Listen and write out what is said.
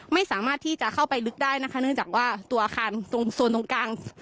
ไม่สามารถที่จะเข้าไปลึกได้นะคะเนื่องจากว่าตัวอาคารตรงโซนตรงกลาง